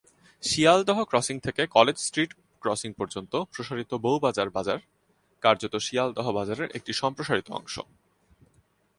Sealdah crossing থেকে college street crossing পর্যন্ত প্রসারিত বউ বাজার বাজার, কার্যত শিয়ালদহ বাজারের একটি সম্প্রসারিত অংশ।